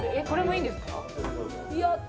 これもいいんですか？